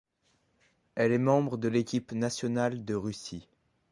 Elle est membre de l'équipe nationale de Russie.